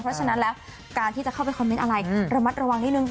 เพราะฉะนั้นแล้วการที่จะเข้าไปคอมเมนต์อะไรระมัดระวังนิดนึง